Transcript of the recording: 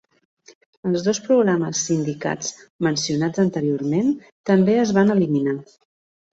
Els dos programes sindicats mencionats anteriorment també es van eliminar.